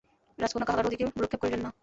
রাজকন্যা কাহারও দিকে ভ্রূক্ষেপ করিলেন না।